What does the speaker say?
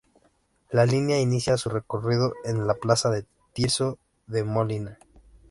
La línea inicia su recorrido en la Plaza de Tirso de Molina.